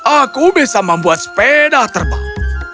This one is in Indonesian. aku bisa membuat sepeda terbang